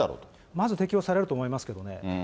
まず適用されると思いますけれどもね。